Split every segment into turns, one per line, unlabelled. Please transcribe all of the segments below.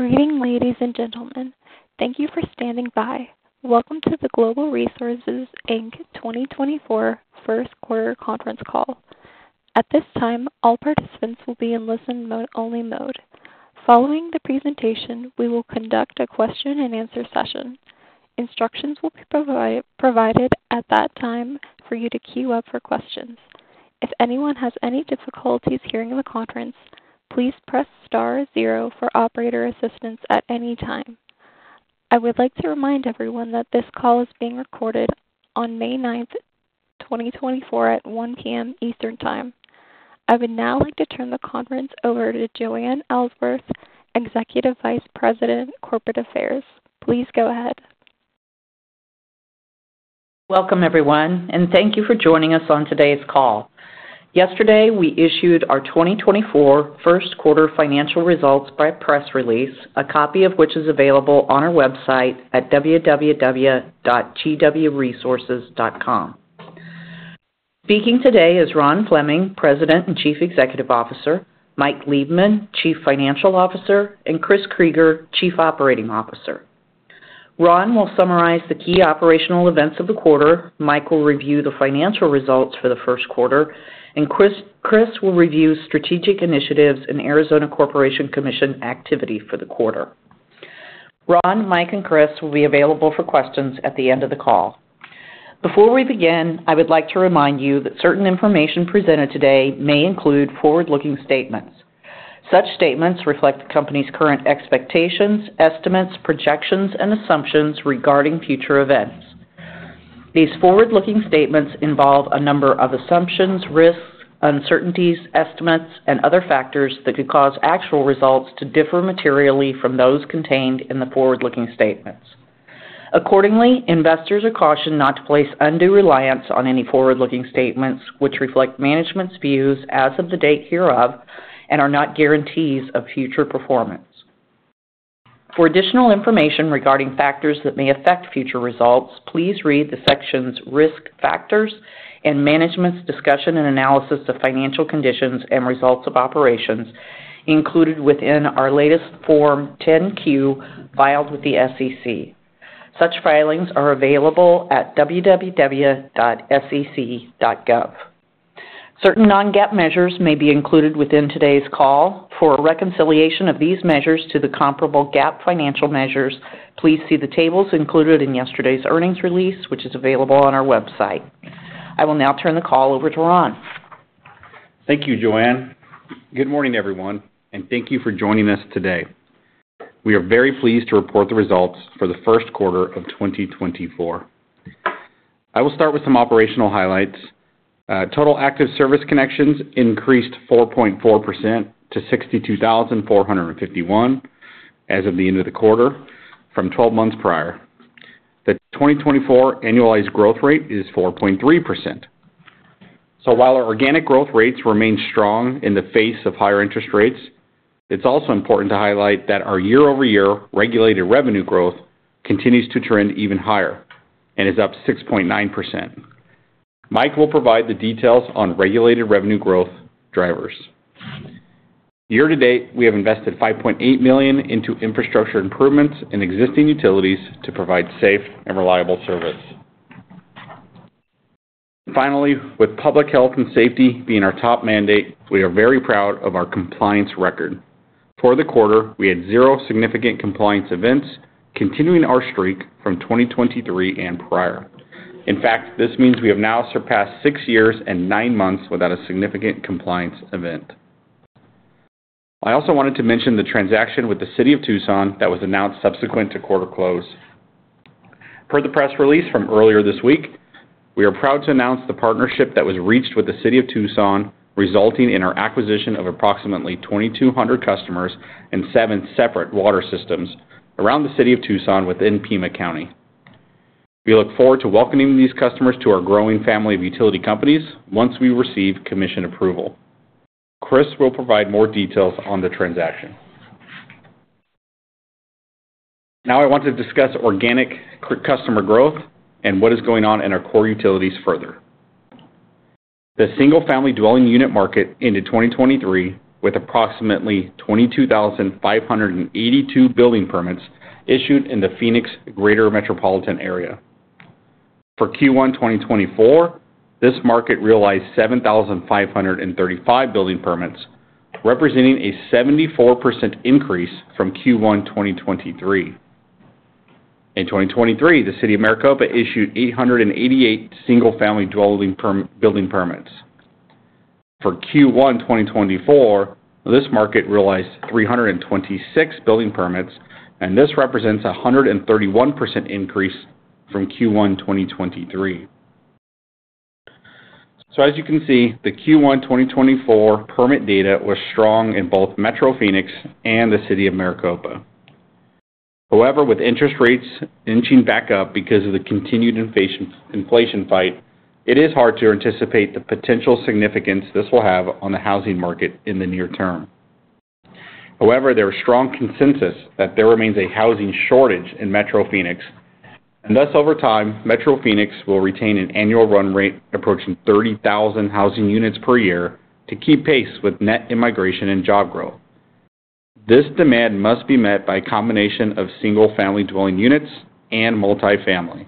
Greetings, ladies and gentlemen. Thank you for standing by. Welcome to the Global Water Resources, Inc. 2024 first-quarter conference call. At this time, all participants will be in listen-only mode. Following the presentation, we will conduct a question-and-answer session. Instructions will be provided at that time for you to queue up for questions. If anyone has any difficulties hearing the conference, please press star zero for operator assistance at any time. I would like to remind everyone that this call is being recorded on May 9th, 2024, at 1:00 P.M. Eastern Time. I would now like to turn the conference over to Joanne Ellsworth, Executive Vice President, Corporate Affairs. Please go ahead.
Welcome, everyone, and thank you for joining us on today's call. Yesterday, we issued our 2024 first-quarter financial results by press release, a copy of which is available on our website at www.gwresources.com. Speaking today is Ron Fleming, President and Chief Executive Officer; Mike Liebman, Chief Financial Officer; and Chris Krygier, Chief Operating Officer. Ron will summarize the key operational events of the quarter, Mike will review the financial results for the first quarter, and Chris will review strategic initiatives and Arizona Corporation Commission activity for the quarter. Ron, Mike, and Chris will be available for questions at the end of the call. Before we begin, I would like to remind you that certain information presented today may include forward-looking statements. Such statements reflect the company's current expectations, estimates, projections, and assumptions regarding future events. These forward-looking statements involve a number of assumptions, risks, uncertainties, estimates, and other factors that could cause actual results to differ materially from those contained in the forward-looking statements. Accordingly, investors are cautioned not to place undue reliance on any forward-looking statements which reflect management's views as of the date hereof and are not guarantees of future performance. For additional information regarding factors that may affect future results, please read the sections Risk Factors and Management's Discussion and Analysis of Financial Conditions and Results of Operations included within our latest Form 10-Q filed with the SEC. Such filings are available at www.sec.gov. Certain non-GAAP measures may be included within today's call. For a reconciliation of these measures to the comparable GAAP financial measures, please see the tables included in yesterday's earnings release, which is available on our website. I will now turn the call over to Ron.
Thank you, Joanne. Good morning, everyone, and thank you for joining us today. We are very pleased to report the results for the first quarter of 2024. I will start with some operational highlights. Total active service connections increased 4.4% to 62,451 as of the end of the quarter from 12 months prior. The 2024 annualized growth rate is 4.3%. So while our organic growth rates remain strong in the face of higher interest rates, it's also important to highlight that our year-over-year regulated revenue growth continues to trend even higher and is up 6.9%. Mike will provide the details on regulated revenue growth drivers. Year to date, we have invested $5.8 million into infrastructure improvements in existing utilities to provide safe and reliable service. Finally, with public health and safety being our top mandate, we are very proud of our compliance record. For the quarter, we had zero significant compliance events, continuing our streak from 2023 and prior. In fact, this means we have now surpassed six years and nine months without a significant compliance event. I also wanted to mention the transaction with the City of Tucson that was announced subsequent to quarter close. Per the press release from earlier this week, we are proud to announce the partnership that was reached with the City of Tucson, resulting in our acquisition of approximately 2,200 customers and seven separate water systems around the City of Tucson within Pima County. We look forward to welcoming these customers to our growing family of utility companies once we receive commission approval. Chris will provide more details on the transaction. Now I want to discuss organic customer growth and what is going on in our core utilities further. The single-family dwelling unit market ended 2023 with approximately 22,582 building permits issued in the Phoenix Greater Metropolitan Area. For Q1 2024, this market realized 7,535 building permits, representing a 74% increase from Q1 2023. In 2023, the City of Maricopa issued 888 single-family dwelling building permits. For Q1 2024, this market realized 326 building permits, and this represents a 131% increase from Q1 2023. So as you can see, the Q1 2024 permit data was strong in both Metro Phoenix and the City of Maricopa. However, with interest rates inching back up because of the continued inflation fight, it is hard to anticipate the potential significance this will have on the housing market in the near term. However, there is strong consensus that there remains a housing shortage in Metro Phoenix, and thus over time, Metro Phoenix will retain an annual run rate approaching 30,000 housing units per year to keep pace with net immigration and job growth. This demand must be met by a combination of single-family dwelling units and multifamily.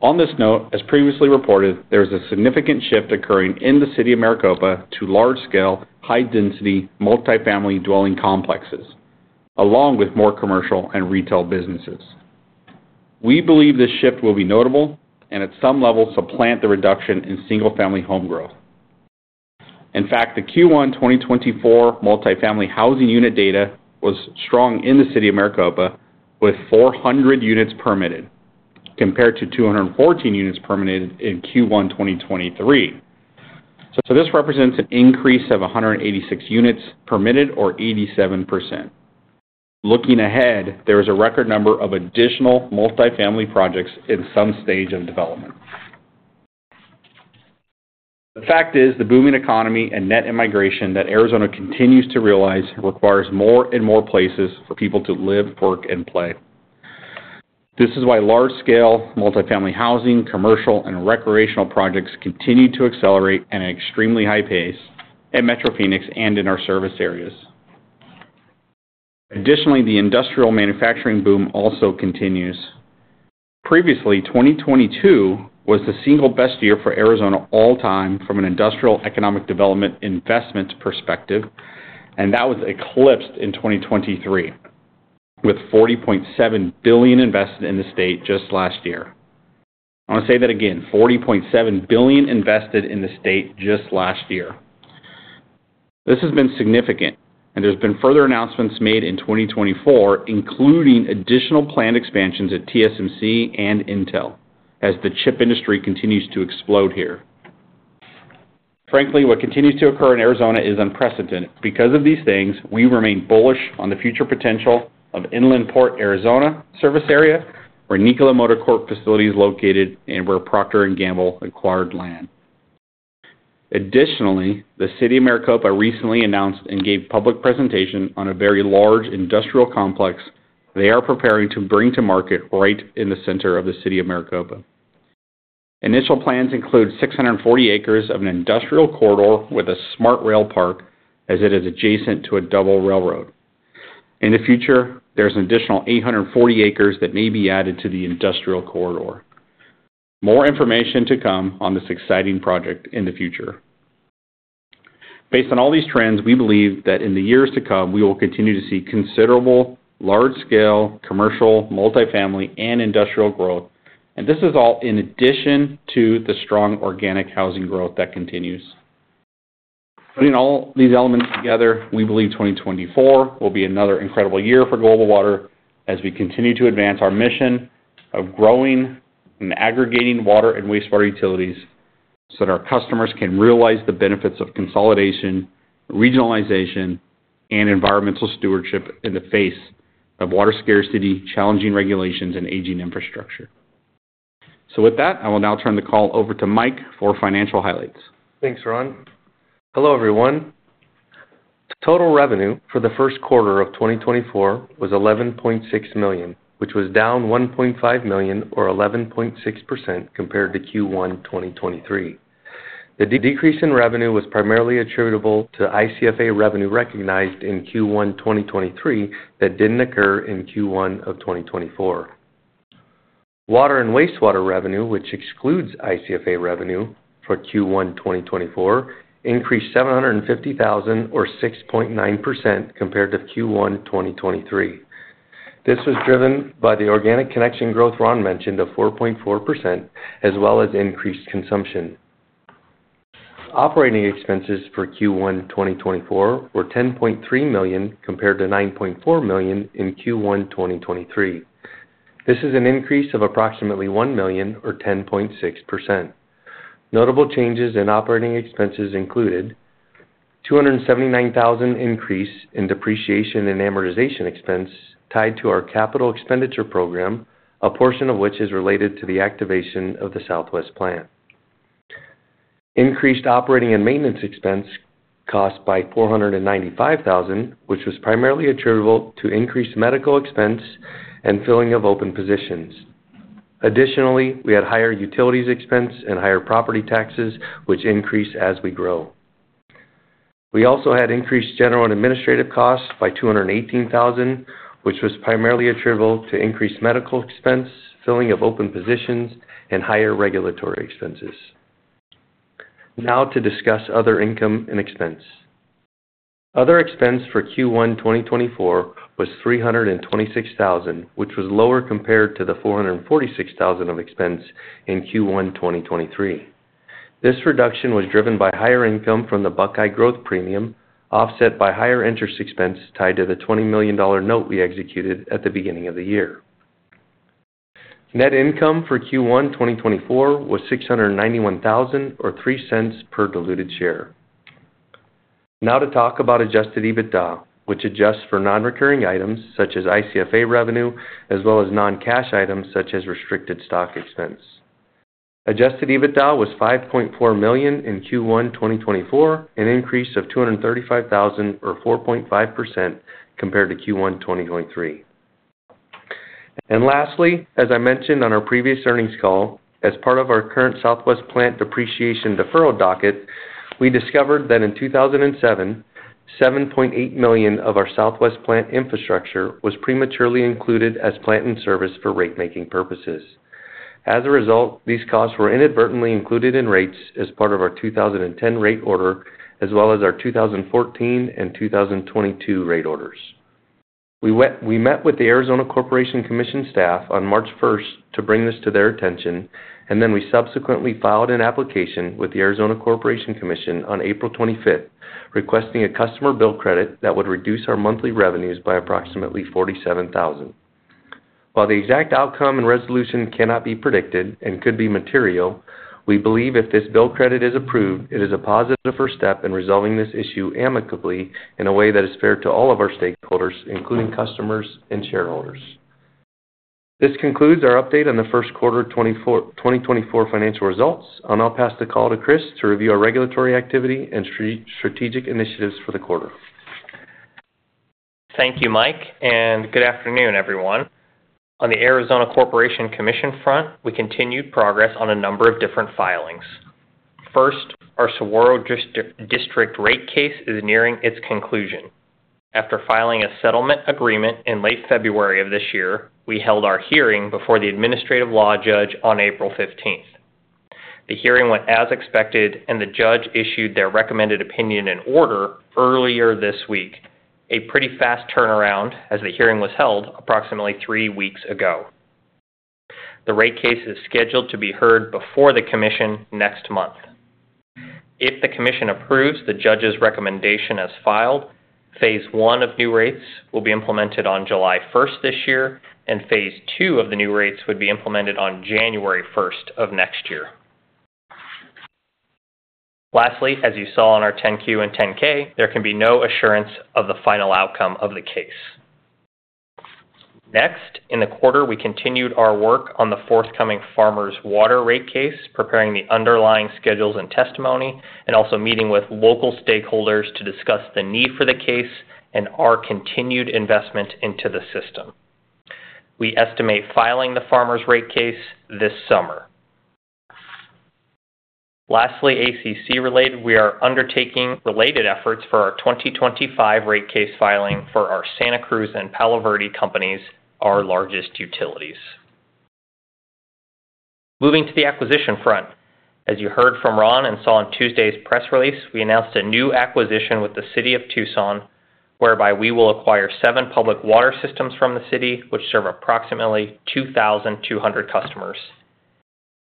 On this note, as previously reported, there is a significant shift occurring in the City of Maricopa to large-scale, high-density multifamily dwelling complexes, along with more commercial and retail businesses. We believe this shift will be notable and at some level supplant the reduction in single-family home growth. In fact, the Q1 2024 multifamily housing unit data was strong in the City of Maricopa with 400 units permitted compared to 214 units permitted in Q1 2023. So this represents an increase of 186 units permitted, or 87%. Looking ahead, there is a record number of additional multifamily projects in some stage of development. The fact is, the booming economy and net immigration that Arizona continues to realize requires more and more places for people to live, work, and play. This is why large-scale multifamily housing, commercial, and recreational projects continue to accelerate at an extremely high pace at Metro Phoenix and in our service areas. Additionally, the industrial manufacturing boom also continues. Previously, 2022 was the single best year for Arizona all time from an industrial economic development investment perspective, and that was eclipsed in 2023 with $40.7 billion invested in the state just last year. I want to say that again: $40.7 billion invested in the state just last year. This has been significant, and there have been further announcements made in 2024, including additional planned expansions at TSMC and Intel as the chip industry continues to explode here. Frankly, what continues to occur in Arizona is unprecedented. Because of these things, we remain bullish on the future potential of Inland Port Arizona service area, where Nikola Motor Corp facility is located, and where Procter & Gamble acquired land. Additionally, the City of Maricopa recently announced and gave a public presentation on a very large industrial complex they are preparing to bring to market right in the center of the City of Maricopa. Initial plans include 640 acres of an industrial corridor with a smart rail park as it is adjacent to a double railroad. In the future, there are additional 840 acres that may be added to the industrial corridor. More information to come on this exciting project in the future. Based on all these trends, we believe that in the years to come, we will continue to see considerable large-scale commercial, multifamily, and industrial growth, and this is all in addition to the strong organic housing growth that continues. Putting all these elements together, we believe 2024 will be another incredible year for Global Water as we continue to advance our mission of growing and aggregating water and wastewater utilities so that our customers can realize the benefits of consolidation, regionalization, and environmental stewardship in the face of water scarcity, challenging regulations, and aging infrastructure. So with that, I will now turn the call over to Mike for financial highlights.
Thanks, Ron. Hello, everyone. Total revenue for the first quarter of 2024 was $11.6 million, which was down $1.5 million or 11.6% compared to Q1 2023. The decrease in revenue was primarily attributable to ICFA revenue recognized in Q1 2023 that didn't occur in Q1 of 2024. Water and wastewater revenue, which excludes ICFA revenue for Q1 2024, increased $750,000 or 6.9% compared to Q1 2023. This was driven by the organic connection growth Ron mentioned of 4.4% as well as increased consumption. Operating expenses for Q1 2024 were $10.3 million compared to $9.4 million in Q1 2023. This is an increase of approximately $1 million or 10.6%. Notable changes in operating expenses included a $279,000 increase in depreciation and amortization expense tied to our capital expenditure program, a portion of which is related to the activation of the Southwest plant. Increased operating and maintenance expense cost by $495,000, which was primarily attributable to increased medical expense and filling of open positions. Additionally, we had higher utilities expense and higher property taxes, which increase as we grow. We also had increased general and administrative costs by $218,000, which was primarily attributable to increased medical expense, filling of open positions, and higher regulatory expenses. Now to discuss other income and expense. Other expense for Q1 2024 was $326,000, which was lower compared to the $446,000 of expense in Q1 2023. This reduction was driven by higher income from the Buckeye Growth Premium offset by higher interest expense tied to the $20 million note we executed at the beginning of the year. Net income for Q1 2024 was $691,000 or $0.03 per diluted share. Now to talk about Adjusted EBITDA, which adjusts for non-recurring items such as ICFA revenue as well as non-cash items such as restricted stock expense. Adjusted EBITDA was $5.4 million in Q1 2024, an increase of $235,000 or 4.5% compared to Q1 2023. Lastly, as I mentioned on our previous earnings call, as part of our current Southwest plant depreciation deferral docket, we discovered that in 2007, $7.8 million of our Southwest plant infrastructure was prematurely included as plant in service for rate-making purposes. As a result, these costs were inadvertently included in rates as part of our 2010 rate order as well as our 2014 and 2022 rate orders. We met with the Arizona Corporation Commission staff on March 1st to bring this to their attention, and then we subsequently filed an application with the Arizona Corporation Commission on April 25th requesting a customer bill credit that would reduce our monthly revenues by approximately $47,000. While the exact outcome and resolution cannot be predicted and could be material, we believe if this bill credit is approved, it is a positive first step in resolving this issue amicably in a way that is fair to all of our stakeholders, including customers and shareholders. This concludes our update on the first quarter 2024 financial results. I'll pass the call to Chris to review our regulatory activity and strategic initiatives for the quarter.
Thank you, Mike, and good afternoon, everyone. On the Arizona Corporation Commission front, we continued progress on a number of different filings. First, our Saguaro District rate case is nearing its conclusion. After filing a settlement agreement in late February of this year, we held our hearing before the administrative law judge on April 15th. The hearing went as expected, and the judge issued their recommended opinion in order earlier this week, a pretty fast turnaround as the hearing was held approximately three weeks ago. The rate case is scheduled to be heard before the commission next month. If the commission approves the judge's recommendation as filed, phase one of new rates will be implemented on July 1st this year, and phase two of the new rates would be implemented on January 1st of next year. Lastly, as you saw on our 10-Q and 10-K, there can be no assurance of the final outcome of the case. Next, in the quarter, we continued our work on the forthcoming Farmers' Water rate case, preparing the underlying schedules and testimony, and also meeting with local stakeholders to discuss the need for the case and our continued investment into the system. We estimate filing the Farmers' rate case this summer. Lastly, ACC-related, we are undertaking related efforts for our 2025 rate case filing for our Santa Cruz and Palo Verde companies, our largest utilities. Moving to the acquisition front, as you heard from Ron and saw on Tuesday's press release, we announced a new acquisition with the City of Tucson whereby we will acquire seven public water systems from the city, which serve approximately 2,200 customers.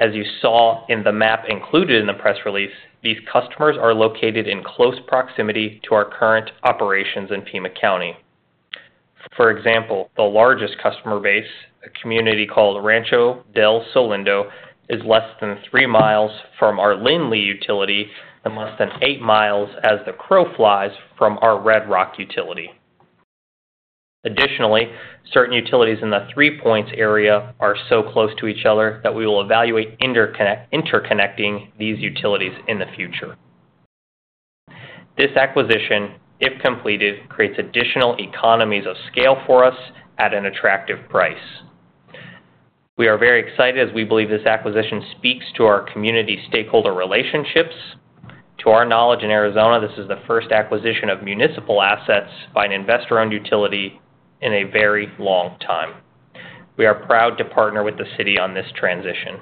As you saw in the map included in the press release, these customers are located in close proximity to our current operations in Pima County. For example, the largest customer base, a community called Rancho del Sol Lindo, is less than three miles from our Lyn-Lee utility and less than eight miles as the crow flies from our Red Rock utility. Additionally, certain utilities in the Three Points area are so close to each other that we will evaluate interconnecting these utilities in the future. This acquisition, if completed, creates additional economies of scale for us at an attractive price. We are very excited as we believe this acquisition speaks to our community stakeholder relationships. To our knowledge in Arizona, this is the first acquisition of municipal assets by an investor-owned utility in a very long time. We are proud to partner with the city on this transition.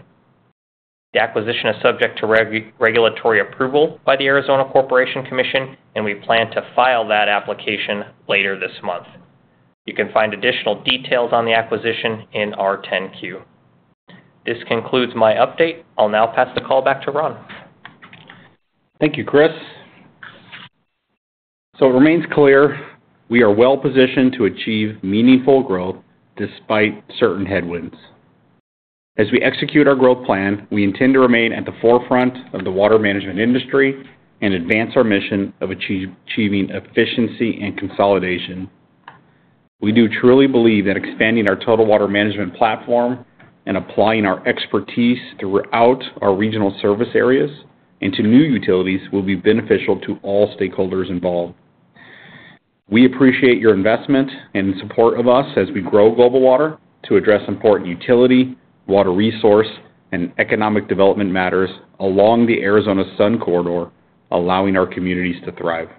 The acquisition is subject to regulatory approval by the Arizona Corporation Commission, and we plan to file that application later this month. You can find additional details on the acquisition in our 10-Q. This concludes my update. I'll now pass the call back to Ron.
Thank you, Chris. So it remains clear we are well positioned to achieve meaningful growth despite certain headwinds. As we execute our growth plan, we intend to remain at the forefront of the water management industry and advance our mission of achieving efficiency and consolidation. We do truly believe that expanding our total water management platform and applying our expertise throughout our regional service areas and to new utilities will be beneficial to all stakeholders involved. We appreciate your investment and support of us as we grow Global Water to address important utility, water resource, and economic development matters along the Arizona Sun Corridor, allowing our communities to thrive.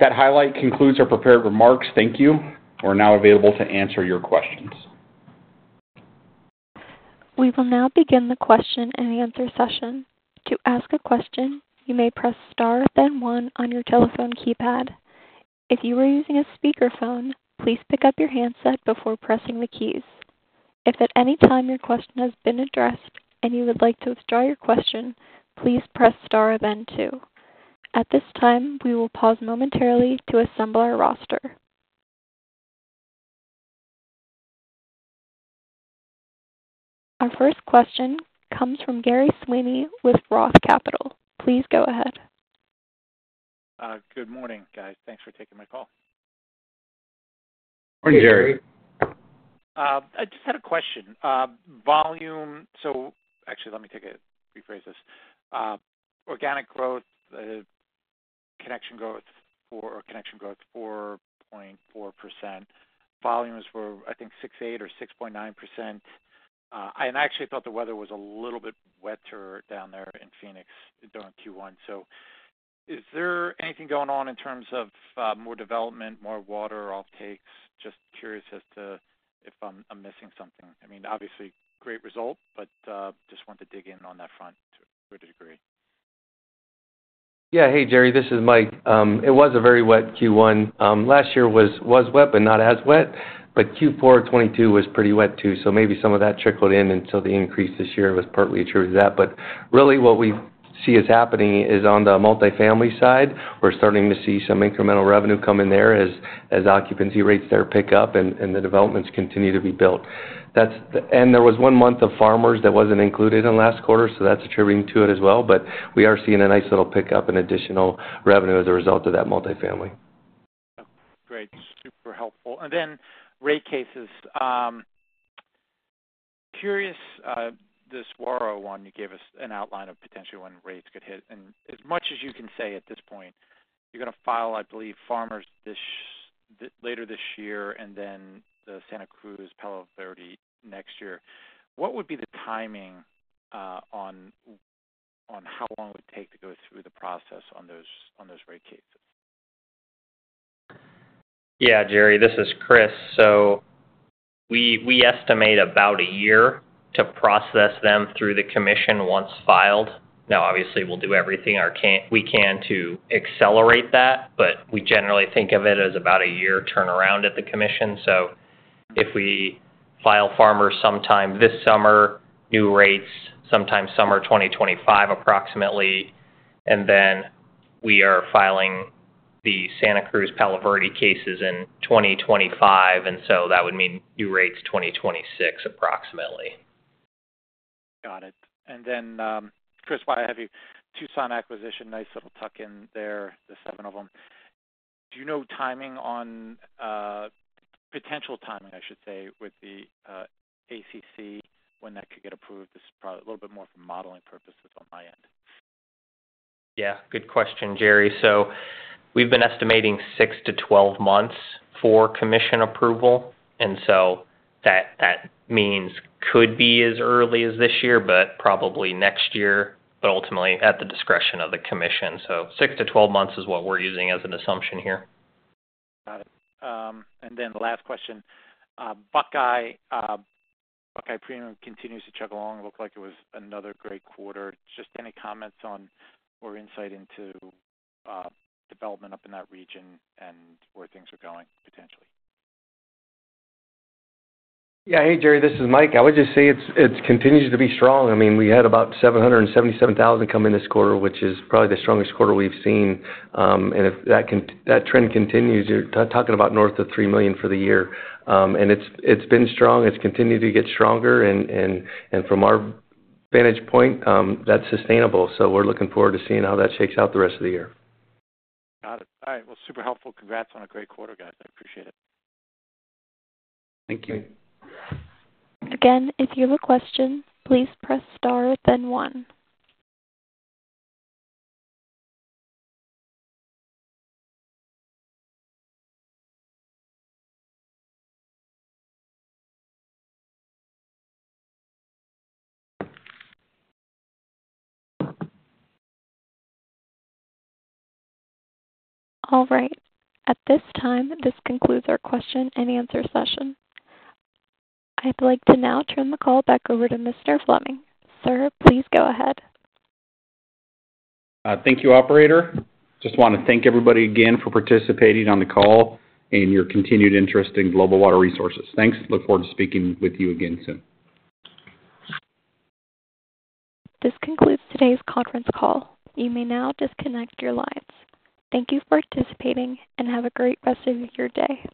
That highlight concludes our prepared remarks. Thank you. We're now available to answer your questions.
We will now begin the question and answer session. To ask a question, you may press star, then 1, on your telephone keypad. If you are using a speakerphone, please pick up your handset before pressing the keys. If at any time your question has been addressed and you would like to withdraw your question, please press star, then two. At this time, we will pause momentarily to assemble our roster. Our first question comes from Gerry Sweeney with Roth Capital. Please go ahead.
Good morning, guys. Thanks for taking my call.
Morning, Gerry.
I just had a question. Actually, let me rephrase this. Organic growth, connection growth, or connection growth 4.4%. Volumes were, I think, 6.8% or 6.9%. I actually thought the weather was a little bit wetter down there in Phoenix during Q1. So is there anything going on in terms of more development, more water offtakes? Just curious as to if I'm missing something. I mean, obviously, great result, but just want to dig in on that front to a degree.
Yeah. Hey, Gary. This is Mike. It was a very wet Q1. Last year was wet but not as wet. But Q4 2022 was pretty wet too. So maybe some of that trickled in, and so the increase this year was partly attributed to that. But really, what we see is happening is on the multifamily side, we're starting to see some incremental revenue come in there as occupancy rates there pick up and the developments continue to be built. And there was one month of farmers that wasn't included in last quarter, so that's attributing to it as well. But we are seeing a nice little pickup in additional revenue as a result of that multifamily.
Great. Super helpful. And then rate cases. Curious the Saguaro one, you gave us an outline of potentially when rates could hit. And as much as you can say at this point, you're going to file, I believe, Farmers later this year and then the Santa Cruz, Palo Verde next year. What would be the timing on how long it would take to go through the process on those rate cases?
Yeah, Gary. This is Chris. So we estimate about a year to process them through the commission once filed. Now, obviously, we'll do everything we can to accelerate that, but we generally think of it as about a year turnaround at the commission. So if we file farmers sometime this summer, new rates sometime summer 2025 approximately, and then we are filing the Santa Cruz, Palo Verde cases in 2025, and so that would mean new rates 2026 approximately.
Got it. And then, Chris, while I have you, Tucson acquisition, nice little tuck-in there, the 7 of them. Do you know timing on potential timing, I should say, with the ACC when that could get approved? This is probably a little bit more for modeling purposes on my end.
Yeah. Good question, Gerry. So we've been estimating 6-12 months for commission approval. And so that means could be as early as this year but probably next year, but ultimately at the discretion of the commission. So 6-12 months is what we're using as an assumption here.
Got it. And then last question. Buckeye Premium continues to chug along. Looked like it was another great quarter. Just any comments on or insight into development up in that region and where things are going potentially?
Yeah. Hey, Gerry. This is Mike. I would just say it continues to be strong. I mean, we had about $777,000 come in this quarter, which is probably the strongest quarter we've seen. And if that trend continues, you're talking about north of $3 million for the year. And it's been strong. It's continued to get stronger. And from our vantage point, that's sustainable. So we're looking forward to seeing how that shakes out the rest of the year.
Got it. All right. Well, super helpful. Congrats on a great quarter, guys. I appreciate it.
Thank you.
Again, if you have a question, please press star, then one. All right. At this time, this concludes our question and answer session. I'd like to now turn the call back over to Mr. Fleming. Sir, please go ahead.
Thank you, operator. Just want to thank everybody again for participating on the call and your continued interest in Global Water Resources. Thanks. Look forward to speaking with you again soon.
This concludes today's conference call. You may now disconnect your lines. Thank you for participating, and have a great rest of your day.